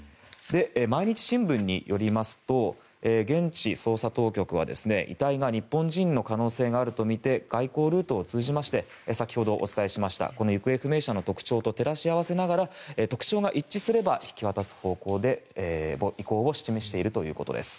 毎日新聞によりますと現地捜査当局は遺体が日本人の可能性があるとみて外交ルートを通じまして先ほどお伝えしました行方不明者の特徴と照らし合わせながら特徴が一致すれば引き渡す意向を示しているということです。